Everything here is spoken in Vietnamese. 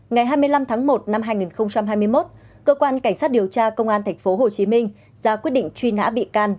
ngày hai mươi năm tháng một năm hai nghìn hai mươi một cơ quan cảnh sát điều tra công an tp hcm ra quyết định truy nã bị can